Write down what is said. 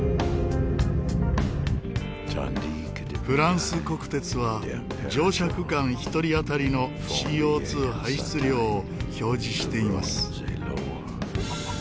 フランス国鉄は乗車区間１人当たりのＣＯ２排出量を表示しています。